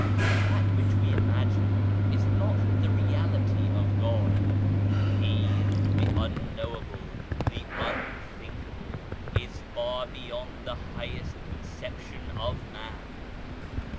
That which we imagine, is not the Reality of God ; He, the Unknowable, the Unthinkable, is far beyond the highest conception of Man.